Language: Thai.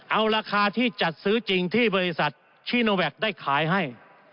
เอาราคาที่จัดซื้อจริงที่บริษัทชีโนแวคได้ขายให้